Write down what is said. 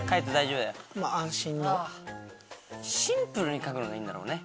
シンプルに描くのがいいんだろうね。